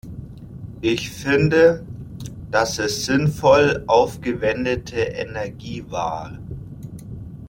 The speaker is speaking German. Ich finde, dass es sinnvoll aufgewendete Energie war.